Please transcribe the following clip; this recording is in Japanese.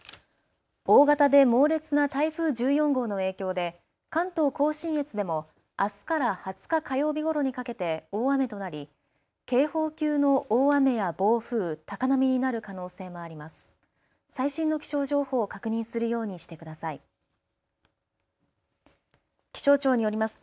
大型で猛烈な台風１４号の影響で関東甲信越でもあすから２０日火曜日ごろにかけて大雨となり警報級の大雨や暴風、高波になる可能性もあります。